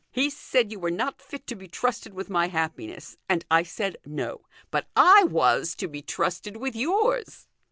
He said you were not fit to be trusted with my happiness, and I said no ; but I was to be trusted with yours.